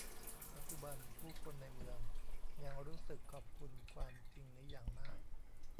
ปัจจุบัน ผู้คนในเมืองยังรู้สึกขอบคุณความจริงนี้อย่างมาก